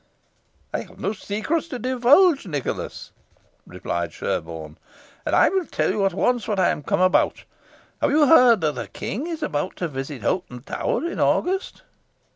"I have no secrets to divulge, Nicholas," replied Sherborne, "and I will tell you at once what I am come about. Have you heard that the King is about to visit Hoghton Tower in August?"